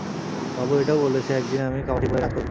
বাবু এটাও বলেছে একদিন আমি কামাঠিপুরায় রাজ করবো।